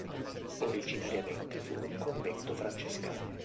Originariamente fu un convento francescano.